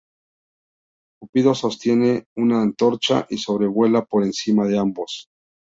Cupido sostiene una antorcha y sobrevuela por encima de ambos.